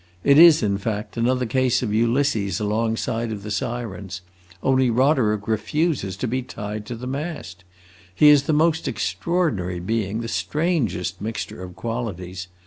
It is, in fact, another case of Ulysses alongside of the Sirens; only Roderick refuses to be tied to the mast. He is the most extraordinary being, the strangest mixture of qualities.